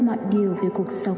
mọi điều về cuộc sống